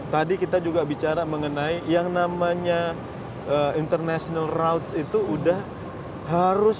tadi kita juga bicara mengenai yang namanya international routes itu udah harus harus